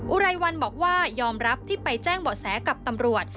อุไรวันบอกว่ายอมรับที่ไปแจ้งเบาะแสกับตำรวจ